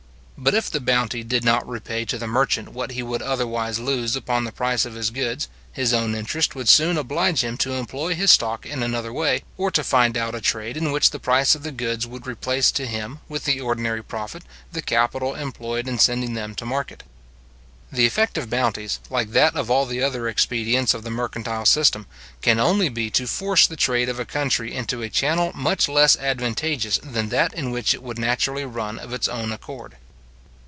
But if the bounty did not repay to the merchant what he would otherwise lose upon the price of his goods, his own interest would soon oblige him to employ his stock in another way, or to find out a trade in which the price of the goods would replace to him, with the ordinary profit, the capital employed in sending them to market. The effect of bounties, like that of all the other expedients of the mercantile system, can only be to force the trade of a country into a channel much less advantageous than that in which it would naturally run of its own accord.